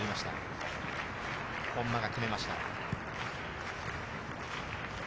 本間が決めました。